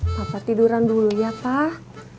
apa tiduran dulu ya pak